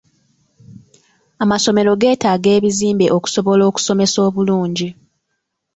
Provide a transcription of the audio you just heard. Amasomero geetaaga ebizimbe okusobola okusomesa obulungi.